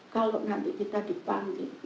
kalau nanti kita dipanggil